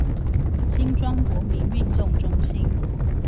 新莊國民運動中心